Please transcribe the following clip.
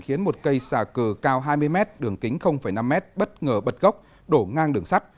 khiến một cây xà cừ cao hai mươi mét đường kính năm m bất ngờ bật gốc đổ ngang đường sắt